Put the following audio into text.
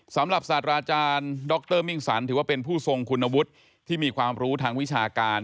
สำหรับศาสตราอาจารย์ดรมิ่งสันถือว่าเป็นผู้ทรงคุณวุฒิที่มีความรู้ทางวิชาการ